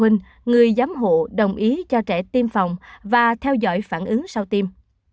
người giám hộ đồng ý cho trẻ tiêm phòng và theo dõi phản ứng sau tiêm